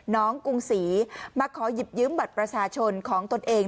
น้องกุ่งศรีมาขอยิบยึ้มบัตรประชาชนของตนเอง